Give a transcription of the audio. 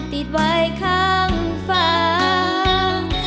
ติดไว้ข้างฝั่ง